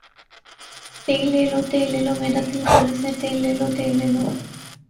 تیل لے لو ، تیل لے لو میرا تیل خالص ھے تیل لے لو تیل لے لو